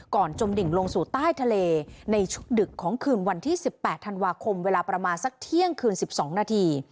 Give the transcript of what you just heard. จมดิ่งลงสู่ใต้ทะเลในช่วงดึกของคืนวันที่๑๘ธันวาคมเวลาประมาณสักเที่ยงคืน๑๒นาที